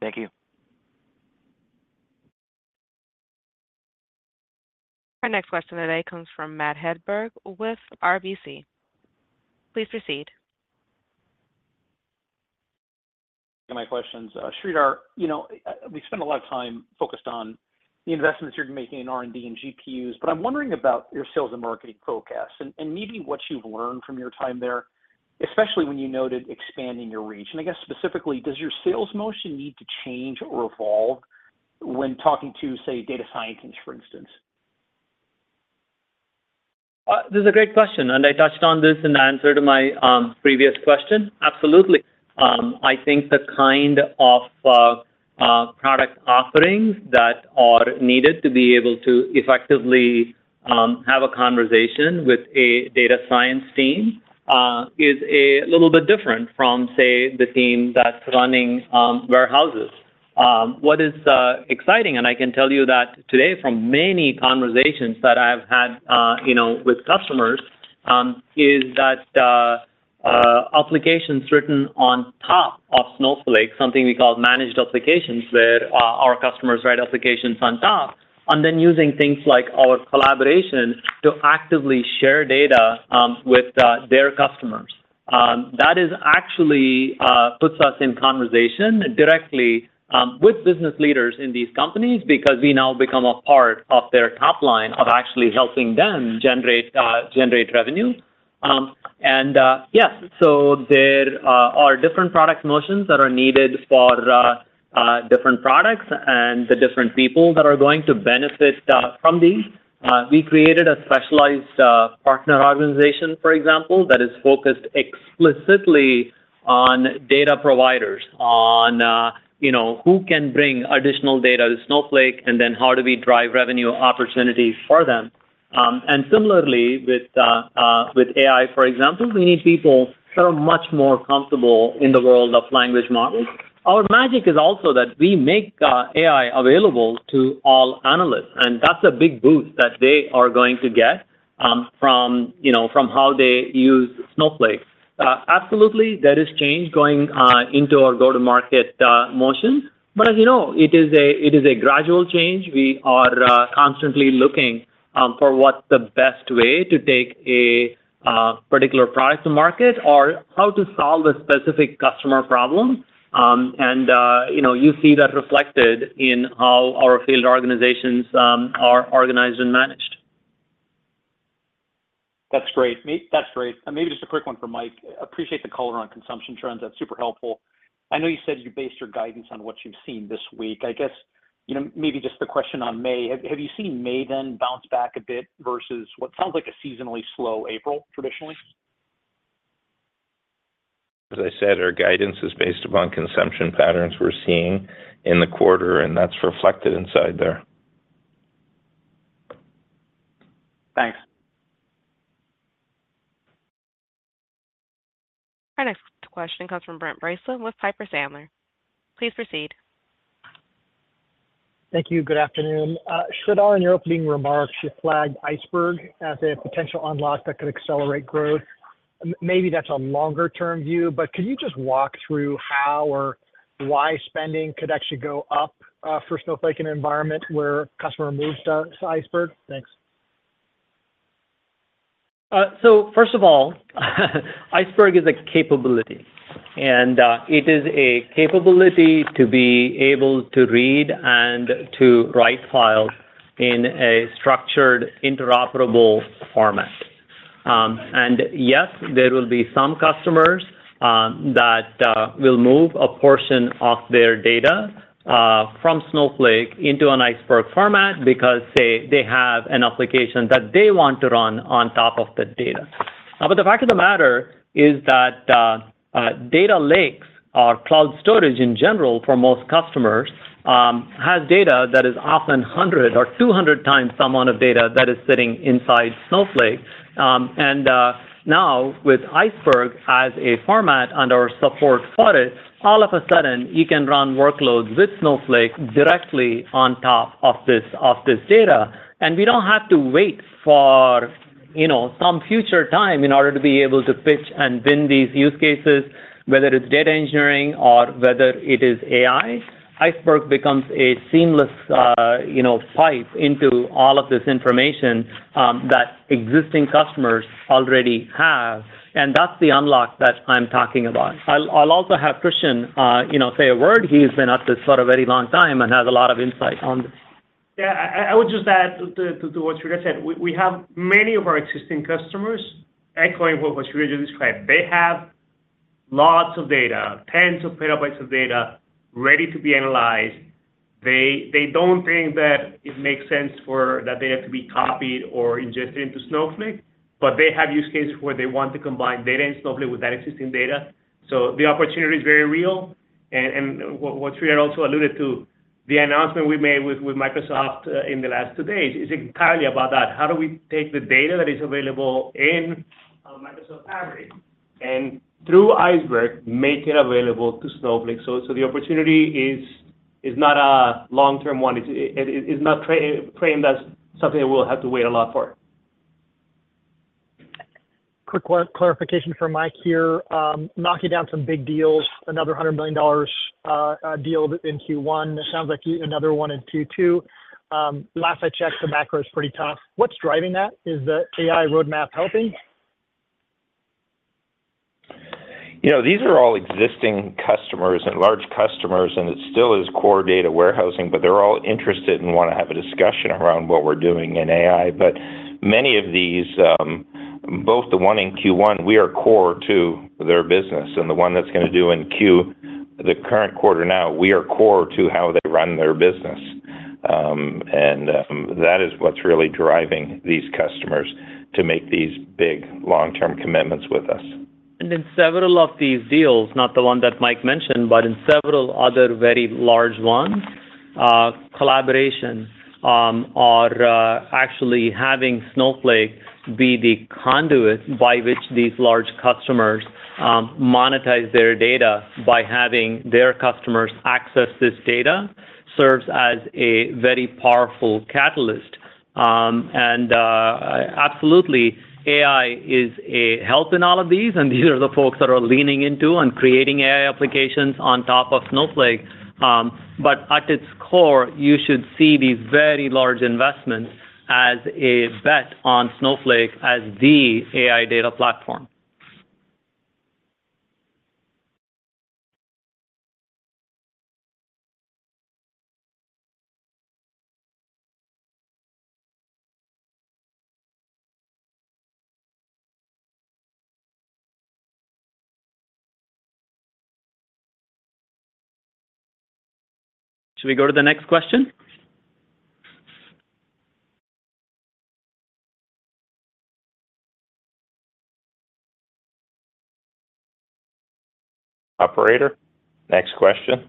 Thank you. Our next question today comes from Matt Hedberg with RBC. Please proceed. My questions. Sridhar, you know, we spent a lot of time focused on the investments you're making in R&D and GPUs, but I'm wondering about your sales and marketing focus and, and maybe what you've learned from your time there, especially when you noted expanding your reach. And I guess specifically, does your sales motion need to change or evolve when talking to, say, data scientists, for instance? This is a great question, and I touched on this in answer to my previous question. Absolutely. I think the kind of product offerings that are needed to be able to effectively have a conversation with a data science team is a little bit different from, say, the team that's running warehouses. What is exciting, and I can tell you that today from many conversations that I've had, you know, with customers, is that applications written on top of Snowflake, something we call managed applications, where our customers write applications on top, and then using things like our collaboration to actively share data with their customers. That actually puts us in conversation directly with business leaders in these companies because we now become a part of their top line of actually helping them generate revenue. And yes, so there are different product motions that are needed for different products and the different people that are going to benefit from these. We created a specialized partner organization, for example, that is focused explicitly on data providers, on you know, who can bring additional data to Snowflake, and then how do we drive revenue opportunities for them. And similarly with AI, for example, we need people that are much more comfortable in the world of language models. Our magic is also that we make AI available to all analysts, and that's a big boost that they are going to get, from, you know, from how they use Snowflake. Absolutely, there is change going into our go-to-market motion, but as you know, it is a, it is a gradual change. We are constantly looking for what's the best way to take a particular product to market or how to solve a specific customer problem. And, you know, you see that reflected in how our field organizations are organized and managed. That's great. That's great. And maybe just a quick one for Mike. Appreciate the color on consumption trends, that's super helpful. I know you said you based your guidance on what you've seen this week. I guess, you know, maybe just the question on May, have you seen May then bounce back a bit versus what sounds like a seasonally slow April, traditionally? As I said, our guidance is based upon consumption patterns we're seeing in the quarter, and that's reflected inside there. Thanks. Our next question comes from Brent Bracelin with Piper Sandler. Please proceed. Thank you. Good afternoon. Sridhar, in your opening remarks, you flagged Iceberg as a potential unlock that could accelerate growth. Maybe that's a longer term view, but could you just walk through how or why spending could actually go up for Snowflake in an environment where customer moves to Iceberg? Thanks. So first of all, Iceberg is a capability, and it is a capability to be able to read and to write files in a structured, interoperable format. And yes, there will be some customers that will move a portion of their data from Snowflake into an Iceberg format because, say, they have an application that they want to run on top of the data. But the fact of the matter is that data lakes or cloud storage in general, for most customers, has data that is often 100 or 200 times the amount of data that is sitting inside Snowflake. And now with Iceberg as a format and our support for it, all of a sudden you can run workloads with Snowflake directly on top of this, of this data, and we don't have to wait for, you know, some future time in order to be able to pitch and win these use cases, whether it's data engineering or whether it is AI. Iceberg becomes a seamless, you know, pipe into all of this information, that existing customers already have, and that's the unlock that I'm talking about. I'll, I'll also have Christian, you know, say a word. He's been at this for a very long time and has a lot of insight on this. Yeah, I would just add to what Sridhar said, we have many of our existing customers, echoing what Sridhar described. They have lots of data, tens of petabytes of data ready to be analyzed. They don't think that it makes sense for... that they have to be copied or ingested into Snowflake, but they have use cases where they want to combine data in Snowflake with that existing data. So the opportunity is very real. And what Sridhar also alluded to, the announcement we made with Microsoft in the last 2 days is entirely about that. How do we take the data that is available in Microsoft Fabric, and through Iceberg, make it available to Snowflake? So the opportunity is not a long-term one. It is not framed as something we'll have to wait a lot for. ... Quick clarification from Mike here. Knocking down some big deals, another $100 million deal in Q1. It sounds like another one in Q2. Last I checked, the macro is pretty tough. What's driving that? Is the AI roadmap helping? You know, these are all existing customers and large customers, and it still is core data warehousing, but they're all interested and want to have a discussion around what we're doing in AI. But many of these, both the one in Q1, we are core to their business, and the one that's going to do in Q, the current quarter now, we are core to how they run their business. And that is what's really driving these customers to make these big, long-term commitments with us. In several of these deals, not the one that Mike mentioned, but in several other very large ones, actually having Snowflake be the conduit by which these large customers monetize their data by having their customers access this data, serves as a very powerful catalyst. Absolutely, AI is a help in all of these, and these are the folks that are leaning into and creating AI applications on top of Snowflake. But at its core, you should see these very large investments as a bet on Snowflake as the AI data platform. Should we go to the next question? Operator, next question.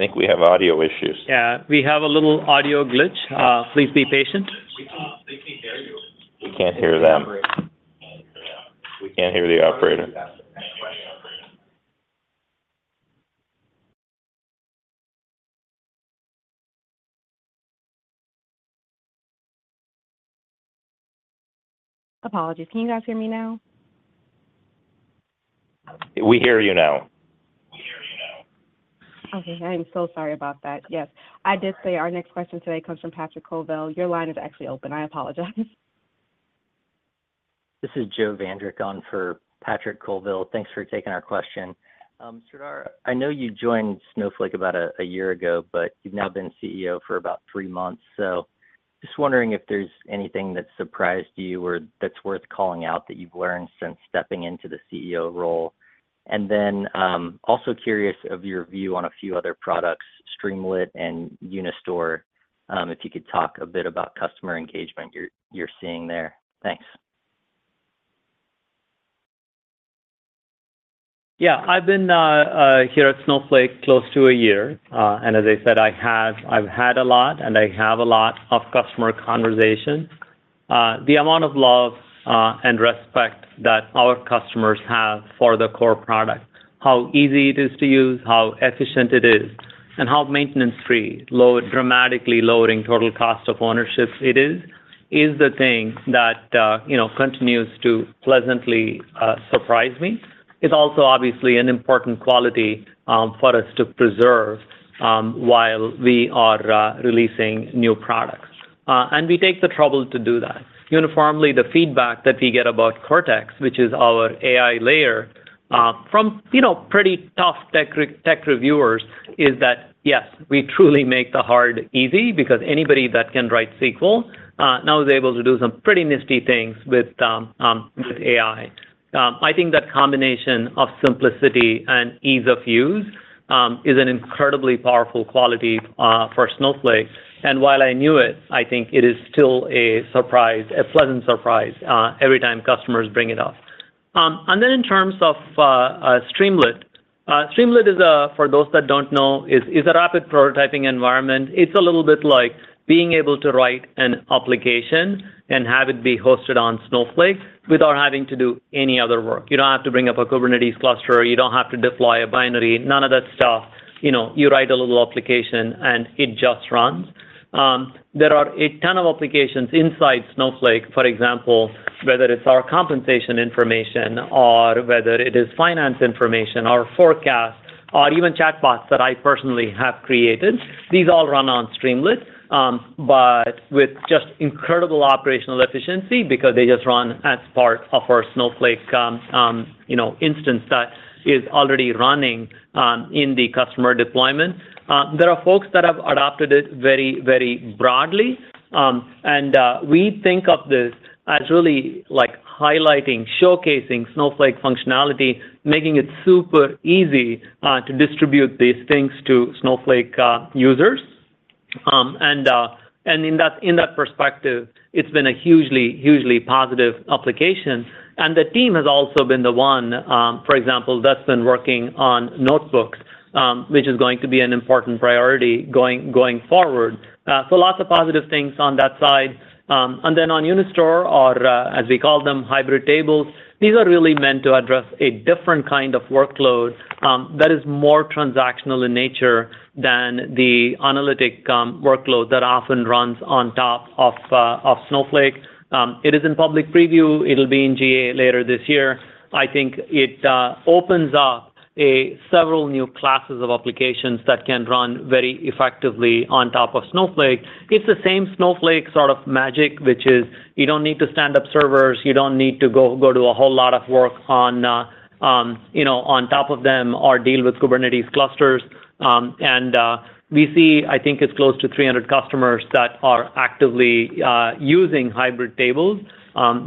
I think we have audio issues. Yeah, we have a little audio glitch. Please be patient. We can, we can hear you. We can't hear them. We can't hear the operator. Can't hear the operator. Apologies. Can you guys hear me now? We hear you now. We hear you now. Okay, I am so sorry about that. Yes, I did say our next question today comes from Patrick Colville. Your line is actually open. I apologize. This is Joe Vandrick on for Patrick Colville. Thanks for taking our question. Sridhar, I know you joined Snowflake about a year ago, but you've now been CEO for about three months. So just wondering if there's anything that surprised you or that's worth calling out that you've learned since stepping into the CEO role. And then, also curious of your view on a few other products, Streamlit and Unistore, if you could talk a bit about customer engagement you're seeing there. Thanks. Yeah. I've been here at Snowflake close to a year, and as I said, I've had a lot, and I have a lot of customer conversations. The amount of love and respect that our customers have for the core product, how easy it is to use, how efficient it is, and how maintenance-free, dramatically lowering total cost of ownership it is, is the thing that, you know, continues to pleasantly surprise me. It's also obviously an important quality for us to preserve while we are releasing new products. And we take the trouble to do that. Uniformly, the feedback that we get about Cortex, which is our AI layer, from, you know, pretty tough tech reviewers, is that, yes, we truly make the hard easy because anybody that can write SQL now is able to do some pretty nifty things with AI. I think that combination of simplicity and ease of use is an incredibly powerful quality for Snowflake. And while I knew it, I think it is still a surprise, a pleasant surprise, every time customers bring it up. And then in terms of Streamlit, Streamlit is, for those that don't know, a rapid prototyping environment. It's a little bit like being able to write an application and have it be hosted on Snowflake without having to do any other work. You don't have to bring up a Kubernetes cluster, you don't have to deploy a binary, none of that stuff. You know, you write a little application, and it just runs. There are a ton of applications inside Snowflake, for example, whether it's our compensation information or whether it is finance information or forecast, or even chatbots that I personally have created. These all run on Streamlit, but with just incredible operational efficiency because they just run as part of our Snowflake, you know, instance that is already running, in the customer deployment. There are folks that have adopted it very, very broadly. And, we think of this as really like highlighting, showcasing Snowflake functionality, making it super easy, to distribute these things to Snowflake, users... And in that, in that perspective, it's been a hugely, hugely positive application. And the team has also been the one, for example, that's been working on notebooks, which is going to be an important priority going, going forward. So lots of positive things on that side. And then on Unistore, or, as we call them, Hybrid Tables, these are really meant to address a different kind of workload, that is more transactional in nature than the analytic, workload that often runs on top of, of Snowflake. It is in public preview. It'll be in GA later this year. I think it opens up several new classes of applications that can run very effectively on top of Snowflake. It's the same Snowflake sort of magic, which is you don't need to stand up servers, you don't need to go do a whole lot of work on, you know, on top of them or deal with Kubernetes clusters. We see, I think it's close to 300 customers that are actively using Hybrid Tables.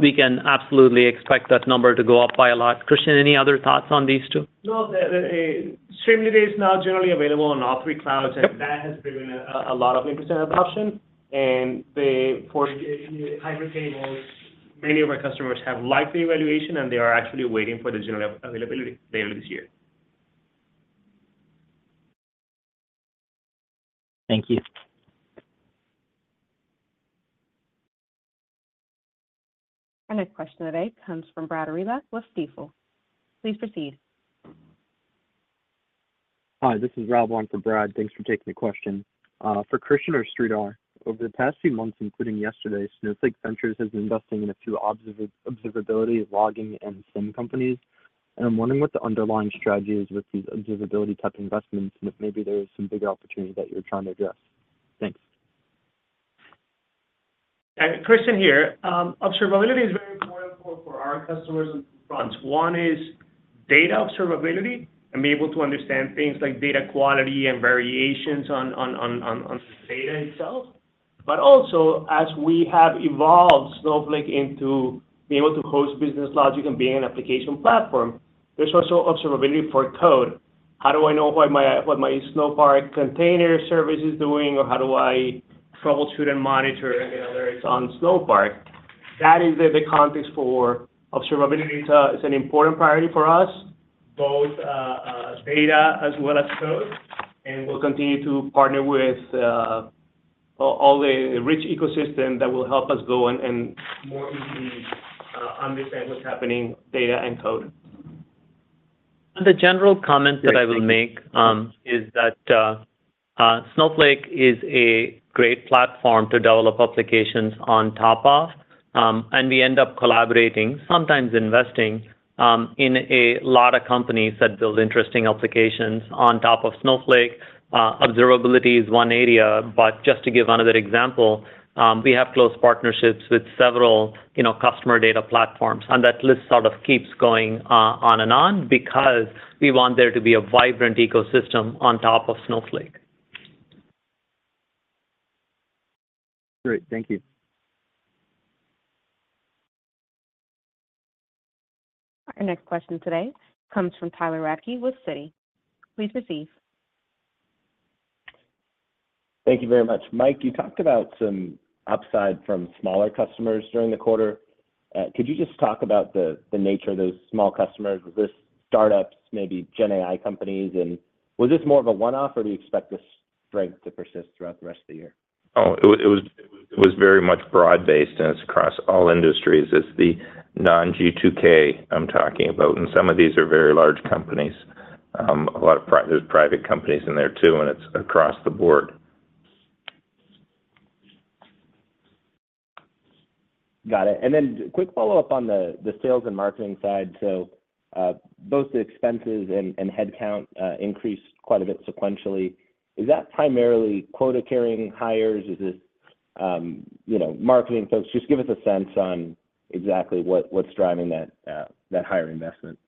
We can absolutely expect that number to go up by a lot. Christian, any other thoughts on these two? No, the Streamlit is now generally available on all three clouds. Yep and that has driven a lot of interest and adoption. And the fourth, Hybrid Tables, many of our customers have liked the evaluation, and they are actually waiting for the general availability later this year. Thank you. Our next question today comes from Brad Reback with Stifel. Please proceed. Hi, this is Rob on for Brad. Thanks for taking the question. For Christian or Sridhar, over the past few months, including yesterday, Snowflake Ventures has been investing in a few observability, logging, and SIEM companies. I'm wondering what the underlying strategy is with these observability-type investments, and if maybe there is some bigger opportunity that you're trying to address. Thanks. Christian here. Observability is very important for our customers on two fronts. One is data observability and be able to understand things like data quality and variations on the data itself. But also, as we have evolved Snowflake into being able to host business logic and being an application platform, there's also observability for code. How do I know what my Snowpark Container Service is doing? Or how do I troubleshoot and monitor analytics on Snowpark? That is the big context for observability. It's an important priority for us, both data as well as code, and we'll continue to partner with all the rich ecosystem that will help us go and more easily understand what's happening, data and code. And the general comment that I will make is that Snowflake is a great platform to develop applications on top of, and we end up collaborating, sometimes investing, in a lot of companies that build interesting applications on top of Snowflake. Observability is one area, but just to give another example, we have close partnerships with several, you know, customer data platforms, and that list sort of keeps going on and on because we want there to be a vibrant ecosystem on top of Snowflake. Great. Thank you. Our next question today comes from Tyler Radke with Citi. Please proceed. Thank you very much. Mike, you talked about some upside from smaller customers during the quarter. Could you just talk about the nature of those small customers? Was this startups, maybe Gen AI companies? And was this more of a one-off, or do you expect this strength to persist throughout the rest of the year? Oh, it was very much broad-based, and it's across all industries. It's the non-GAAP I'm talking about, and some of these are very large companies. A lot of private companies in there, too, and it's across the board. Got it. And then quick follow-up on the, the sales and marketing side. So, both the expenses and, and headcount, increased quite a bit sequentially. Is that primarily quota-carrying hires? Is this, you know, marketing folks? Just give us a sense on exactly what, what's driving that, that hiring investment.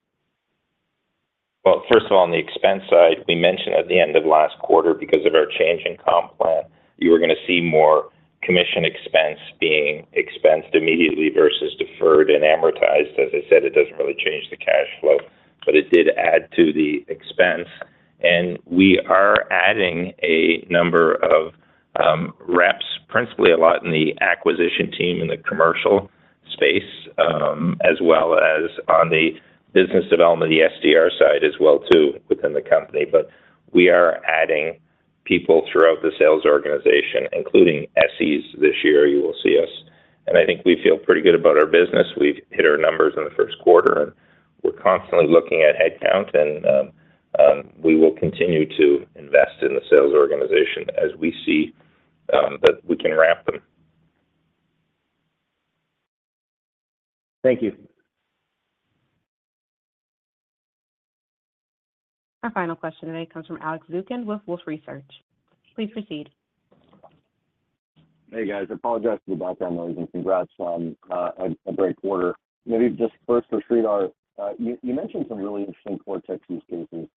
Well, first of all, on the expense side, we mentioned at the end of last quarter, because of our change in comp plan, you were going to see more commission expense being expensed immediately versus deferred and amortized. As I said, it doesn't really change the cash flow, but it did add to the expense. We are adding a number of reps, principally a lot in the acquisition team in the commercial space, as well as on the business development, the SDR side as well, too, within the company. But we are adding people throughout the sales organization, including SEs. This year you will see us. And I think we feel pretty good about our business. We've hit our numbers in the first quarter, and we're constantly looking at headcount and we will continue to invest in the sales organization as we see that we can ramp them. Thank you. Our final question today comes from Alex Zukin with Wolfe Research. Please proceed. Hey, guys. I apologize for the background noise and congrats on a great quarter. Maybe just first for Sridhar. You mentioned some really interesting Cortex use cases from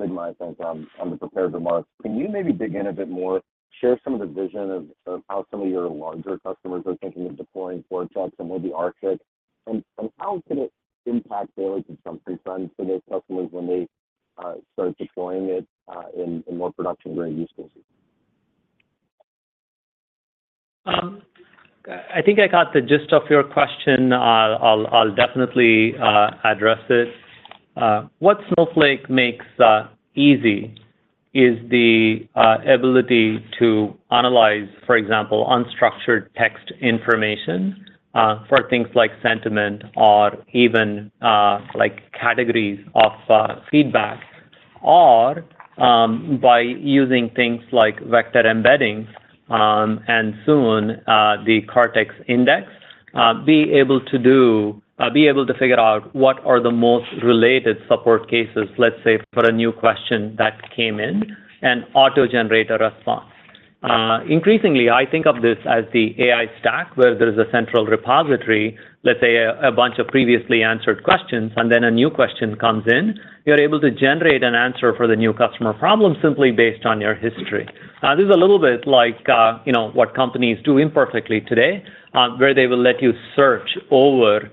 Sigma, I think, on the prepared remarks. Can you maybe dig in a bit more, share some of the vision of how some of your larger customers are thinking of deploying Cortex and maybe architect?... And how can it impact daily consumption for those customers when they start deploying it in more production during use cases? I think I got the gist of your question. I'll definitely address it. What Snowflake makes easy is the ability to analyze, for example, unstructured text information, for things like sentiment or even, like categories of feedback, or, by using things like vector embeddings, and soon, the Cortex index, be able to figure out what are the most related support cases, let's say, for a new question that came in, and auto-generate a response. Increasingly, I think of this as the AI stack, where there's a central repository, let's say a bunch of previously answered questions, and then a new question comes in. You're able to generate an answer for the new customer problem simply based on your history. This is a little bit like, you know, what companies do imperfectly today, where they will let you search over,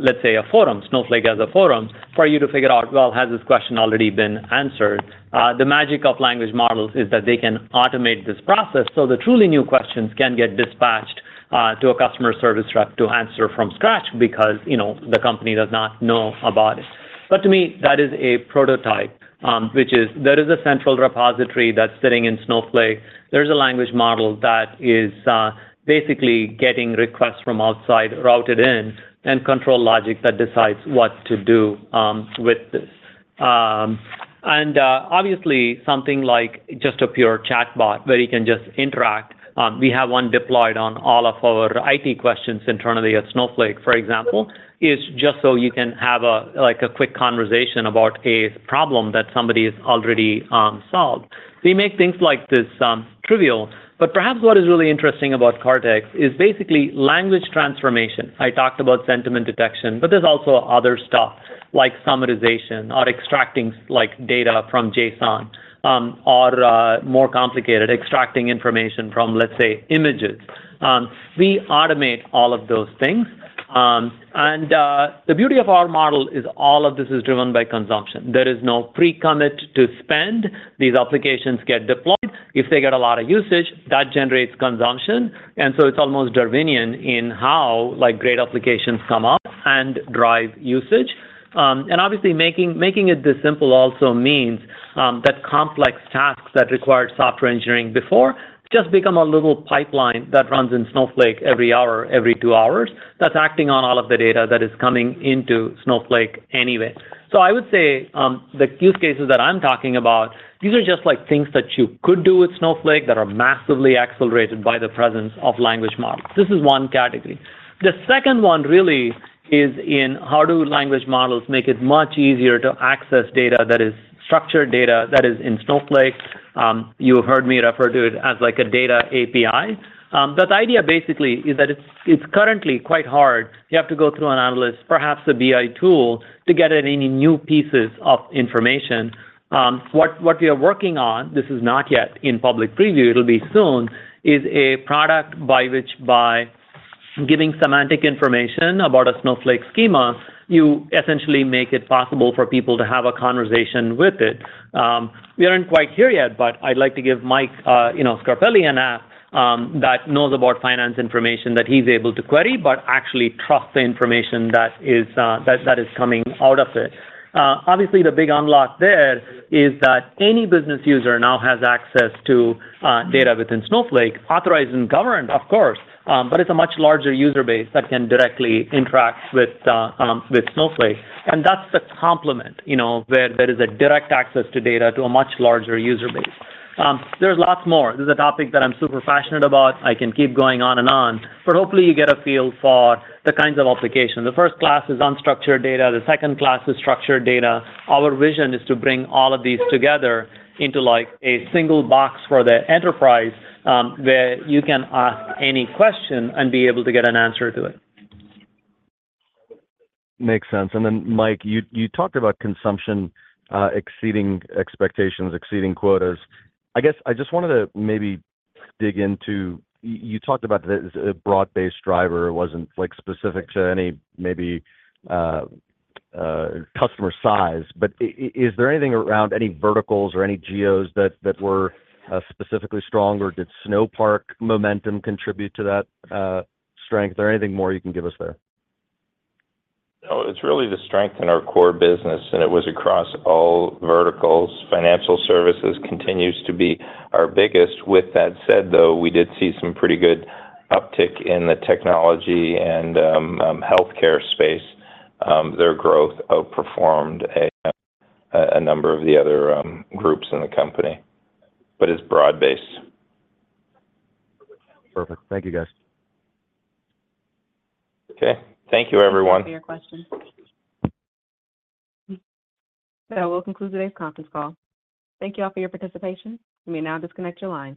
let's say, a forum, Snowflake as a forum, for you to figure out, well, has this question already been answered? The magic of language models is that they can automate this process, so the truly new questions can get dispatched to a customer service rep to answer from scratch because, you know, the company does not know about it. But to me, that is a prototype, which is there is a central repository that's sitting in Snowflake. There's a language model that is basically getting requests from outside routed in and control logic that decides what to do with this. And, obviously, something like just a pure chatbot, where you can just interact, we have one deployed on all of our IT questions internally at Snowflake, for example, is just so you can have a, like a quick conversation about a problem that somebody has already solved. We make things like this trivial, but perhaps what is really interesting about Cortex is basically language transformation. I talked about sentiment detection, but there's also other stuff like summarization or extracting, like, data from JSON, or more complicated, extracting information from, let's say, images. We automate all of those things. And, the beauty of our model is all of this is driven by consumption. There is no pre-commit to spend. These applications get deployed. If they get a lot of usage, that generates consumption, and so it's almost Darwinian in how, like, great applications come up and drive usage. And obviously, making, making it this simple also means, that complex tasks that required software engineering before just become a little pipeline that runs in Snowflake every hour, every two hours, that's acting on all of the data that is coming into Snowflake anyway. So I would say, the use cases that I'm talking about, these are just like things that you could do with Snowflake that are massively accelerated by the presence of language models. This is one category. The second one really is in how do language models make it much easier to access data that is structured data that is in Snowflake? You have heard me refer to it as like a data API. But the idea basically is that it's currently quite hard. You have to go through an analyst, perhaps a BI tool, to get at any new pieces of information. What we are working on, this is not yet in public preview, it'll be soon, is a product by which giving semantic information about a Snowflake schema, you essentially make it possible for people to have a conversation with it. We aren't quite here yet, but I'd like to give Mike, you know, Scarpelli an app that knows about finance information that he's able to query but actually trust the information that is coming out of it. Obviously, the big unlock there is that any business user now has access to data within Snowflake, authorized and governed, of course, but it's a much larger user base that can directly interact with Snowflake. And that's the complement, you know, where there is a direct access to data to a much larger user base. There's lots more. This is a topic that I'm super passionate about. I can keep going on and on, but hopefully you get a feel for the kinds of applications. The first class is unstructured data. The second class is structured data. Our vision is to bring all of these together into, like, a single box for the enterprise, where you can ask any question and be able to get an answer to it. Makes sense. And then, Mike, you talked about consumption exceeding expectations, exceeding quotas. I guess I just wanted to maybe dig into... You talked about this as a broad-based driver. It wasn't, like, specific to any, maybe, customer size, but is there anything around any verticals or any geos that were specifically strong, or did Snowpark momentum contribute to that strength? Is there anything more you can give us there? No, it's really the strength in our core business, and it was across all verticals. Financial services continues to be our biggest. With that said, though, we did see some pretty good uptick in the technology and healthcare space. Their growth outperformed a number of the other groups in the company, but it's broad-based. Perfect. Thank you, guys. Okay. Thank you, everyone. Thank you for your questions. That will conclude today's conference call. Thank you all for your participation. You may now disconnect your line.